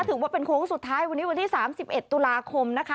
ถือว่าเป็นโค้งสุดท้ายวันนี้วันที่๓๑ตุลาคมนะคะ